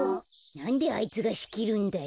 なんであいつがしきるんだよ。